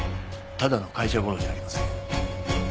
ただの会社ゴロじゃありません。